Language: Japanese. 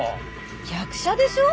役者でしょ？